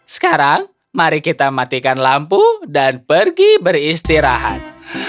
sekarang mari kita matikan lampu dan pergi beristirahat